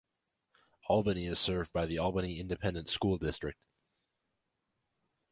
Albany is served by the Albany Independent School District.